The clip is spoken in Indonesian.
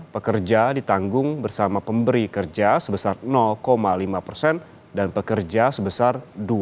pekerja ditanggung bersama pemberi kerja sebesar lima persen dan pekerja sebesar